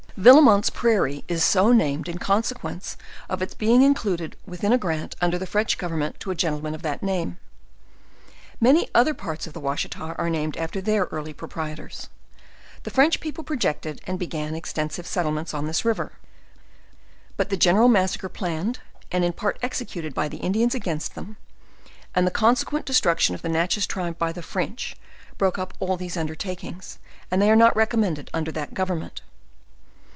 Villemont's prairie is so named in consequence of its be* ing included within a grant under the French government to a gentleman of that name. Many other parts of the Wash ita are named after their early proprietors. The French people projected and began extensive settlements on this river; but the genera} jna/ssapre planned, and in part execu 182 JOURNAL OF ted by the Indians against them, and the consequent destruc titfn of the Natchez tribe by the French, broke up all these .undertakings, and they were not recommenced under that government.